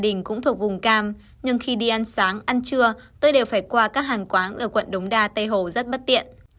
gia đình cũng thuộc vùng cam nhưng khi đi ăn sáng ăn trưa tôi đều phải qua các hàng quán ở quận đống đa tây hồ rất bất tiện